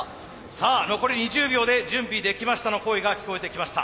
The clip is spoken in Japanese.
さあ残り２０秒で「準備できました」の声が聞こえてきました。